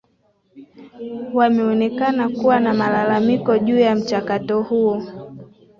wameonekana kuwa na malalamiko juu ya mchakato huo